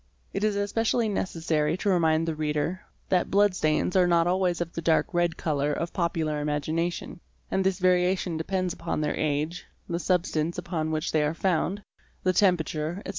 It is especially necessary to remind the reader (see p. 189) that blood stains are not always of the dark red colour of popular imagination, and this variation depends upon their age, the substance upon which they are found, the temperature, etc.